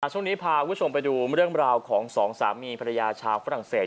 ช่วงนี้พาคุณผู้ชมไปดูเรื่องราวของสองสามีภรรยาชาวฝรั่งเศส